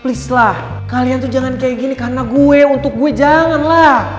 please lah kalian tuh jangan kaya gini karna gue untuk gue jangan lah